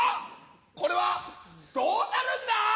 これはどうなるんだ？